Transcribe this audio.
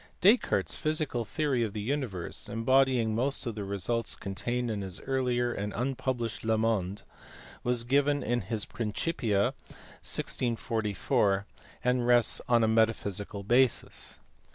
Descartes s physical theory of the universe, embodying most of the results contained in his earlier and unpublished Le Monde, was given in his Principia, 1644, and rests on a ineta Rhysical basjs.